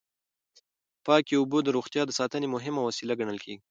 پاکې اوبه د روغتیا د ساتنې مهمه وسیله ګڼل کېږي.